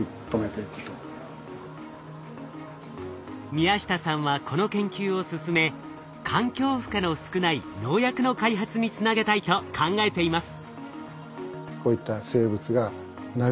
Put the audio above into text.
宮下さんはこの研究を進め環境負荷の少ない農薬の開発につなげたいと考えています。